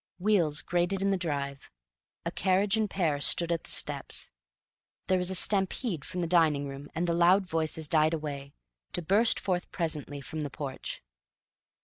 Wheels grated in the drive, a carriage and pair stood at the steps; there was a stampede from the dining room, and the loud voices died away, to burst forth presently from the porch.